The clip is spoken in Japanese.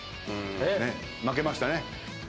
負けましたね。